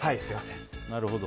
なるほど。